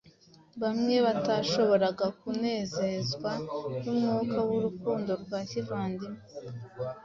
bamwe batashoboraga kunezezwa n’umwuka w’urukundo rwa kivandimwe